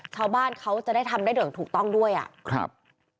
ชาวบ้านเขาจะได้ทำได้โดยถูกต้องด้วยอ่ะครับ